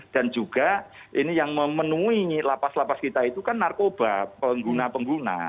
dan juga ini yang memenuhi lapas lapas kita itu kan narkoba pengguna pengguna